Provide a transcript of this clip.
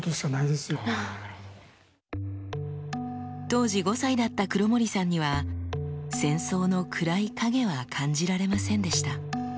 当時５歳だった黒森さんには戦争の暗い影は感じられませんでした。